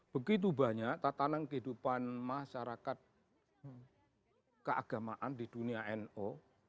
begitu banyak tatanan kehidupan masyarakat keagamaan di dunia no